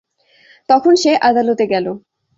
তখন সে আদালতে গেল।